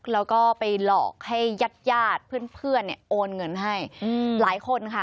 แล้วก็ไปหลอกให้ญาติญาติเพื่อนเนี่ยโอนเงินให้หลายคนค่ะ